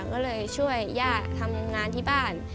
ก็เลยช่วยย่าทำงานที่บ้าน